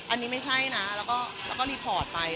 อันนี้ไม่ใช่นะแล้วก็รีพอร์ตไป